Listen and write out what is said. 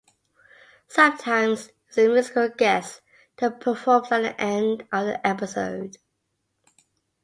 Sometimes, it was a musical guest that performs at the end of the episode.